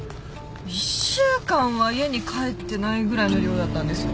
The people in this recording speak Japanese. １週間は家に帰ってないぐらいの量だったんですよ。